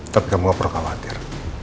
tapi kamu gak perlu khawatir